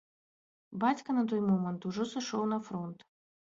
Бацька на той момант ужо сышоў на фронт.